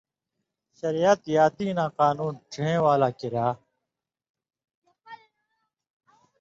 شریعت یا دِیناں قانون ڇِہېں والاں کریا،